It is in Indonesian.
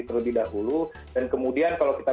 terlebih dahulu dan kemudian kalau kita